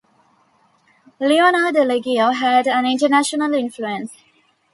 Leonard Liggio had an international influence.